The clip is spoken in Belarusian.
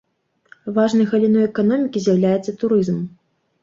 Важнай галіной эканомікі з'яўляецца турызм.